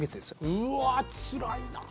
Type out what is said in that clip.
うわつらいな。